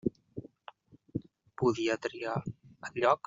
Podia triar el lloc?